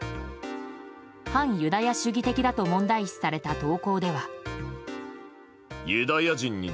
反ユダヤ主義的だと問題視された投稿では。